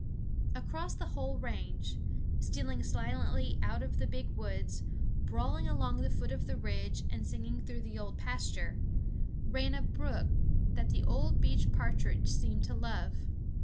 Across the whole range stealing silently out of the big woods, brawling along the foot of the ridge and singing through the old pasture ran a brook that the old beech partridge seemed to love.